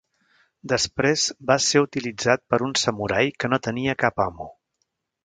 Després vas ser utilitzat per un samurai que no tenia cap amo.